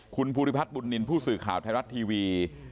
คุณภูริพัฒนบุญนินทร์ผู้สื่อข่าวไทยรัฐทีวี